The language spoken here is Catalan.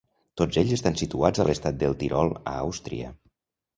Tots ells estan situats a l'estat del Tirol, a Àustria.